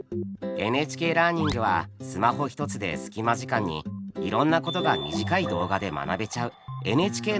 ＮＨＫラーニングはスマホ１つで隙間時間にいろんなことが短い動画で学べちゃうＮＨＫの新しいサービスです。